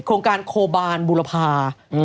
โครงการโคบาลบุรพา